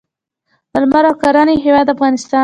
د لمر او کرنې هیواد افغانستان.